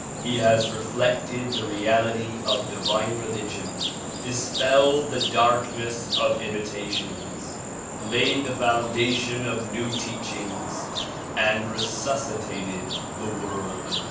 He has reflected the reality of divine religion, dispelled the darkness of imitations, laid the foundation of new teachings and resuscitated the world.